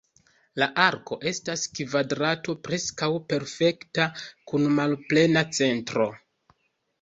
La arko estas kvadrato preskaŭ perfekta, kun malplena centro.